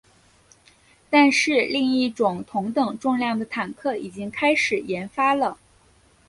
但是另一种同等重量的坦克已经开始研发了。